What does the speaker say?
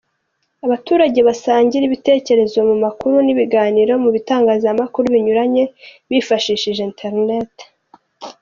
Abaturage basangira ibitekerezo mu makuru n’ibiganiro mu bitangazamakuru binyuranye bifashishije internet.